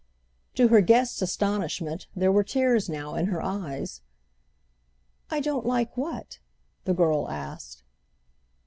To her guest's astonishment there were tears now in her eyes. "I don't like what?" the girl asked.